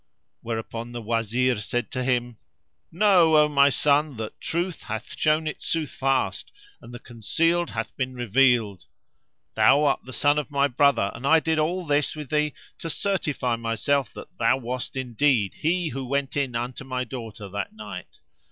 Whereupon the Wazir said to him, "Know, O my son, that truth hath shown it soothfast and the concealed hath been revealed! [FN#481] Thou art the son of my brother, and I did all this with thee to certify myself that thou wast indeed he who went in unto my daughter that night.